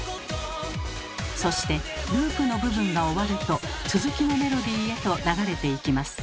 そしてループの部分が終わると続きのメロディーへと流れていきます。